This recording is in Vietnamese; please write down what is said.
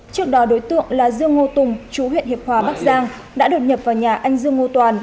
trước đó đối tượng là dương ngô tùng chú huyện hiệp hòa bắc giang đã đột nhập vào nhà anh dương ngô toàn